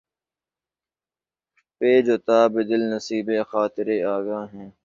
پیچ و تابِ دل نصیبِ خاطرِ آگاہ ہے